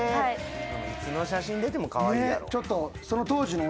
いつの写真出てもカワイイやろ。